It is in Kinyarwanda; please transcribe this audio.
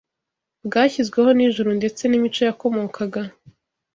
bwashyizweho n’Ijuru ndetse n’imico yakomokaga